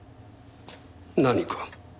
何か？